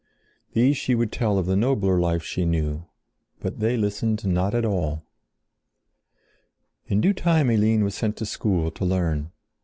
These she would tell of the nobler life she knew, but they listened not at all. In due time Eline was sent to school to learn.